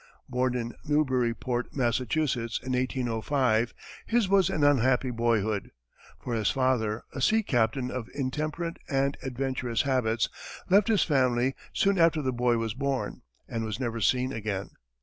Born in Newburyport, Massachusetts, in 1805, his was an unhappy boyhood, for his father, a sea captain of intemperate and adventurous habits, left his family, soon after the boy was born, and was never seen again.